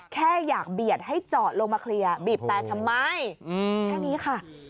แค่อยากเบียดให้จอดลงมาเคลียร์บีบแต่ทำไมแค่นี้ค่ะ